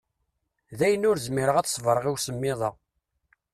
Dayen ur zmireɣ ad ṣebreɣ i usemmiḍ-a.